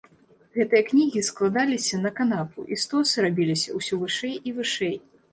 Гэтыя кнігі складаліся на канапу, і стосы рабіліся ўсё вышэй і вышэй.